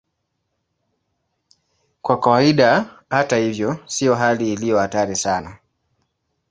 Kwa kawaida, hata hivyo, sio hali iliyo hatari sana.